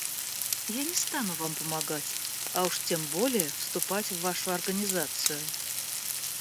Я не стану вам помогать, а уж тем более вступать в вашу организацию!